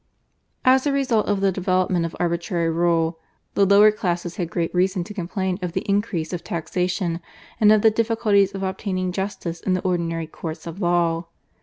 As a result of the development of arbitrary rule the lower classes had great reason to complain of the increase of taxation and of the difficulties of obtaining justice in the ordinary courts of law.